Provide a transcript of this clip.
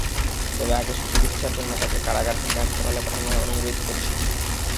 তবে আগে সুচিকিৎসার জন্য তাঁকে কারাগার থেকে হাসপাতালে পাঠানোর অনুরোধ করছি।